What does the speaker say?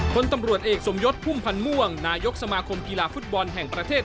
สนับสนุนโดยธนาคารกรุงเทพฯ